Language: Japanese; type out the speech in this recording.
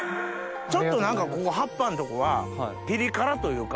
ちょっと何か葉っぱのとこがピリ辛というか。